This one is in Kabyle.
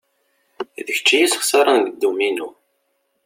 D kečč iyi-sexsaren deg dduminu.